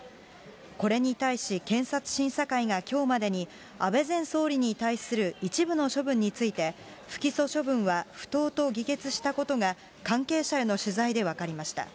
これに対し、検察審査会がきょうまでに安倍前総理に対する一部の処分について、不起訴処分は不当と議決したことが、関係者への取材で分かりました。